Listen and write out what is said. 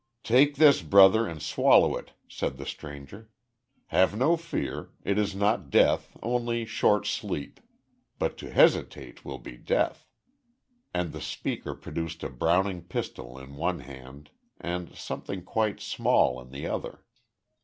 "Take this, brother, and swallow it," said the stranger. "Have no fear. It is not death, only short sleep. But to hesitate will be death." And the speaker produced a Browning pistol in one hand, and something quite small in the other.